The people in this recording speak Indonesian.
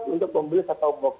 untuk seumur hidup